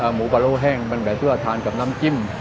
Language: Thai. หมูกะโล้แห้งมันแบบเพื่อทานกับน้ำจิ้ม